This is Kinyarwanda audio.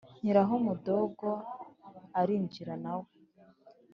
nkiraho mudogo arinjira nawe